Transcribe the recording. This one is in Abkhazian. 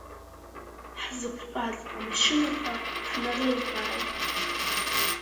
Ҳзықәтәаз амашьынақәа ҳнарылбааит.